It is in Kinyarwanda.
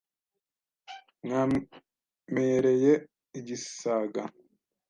Mwamereye igisaga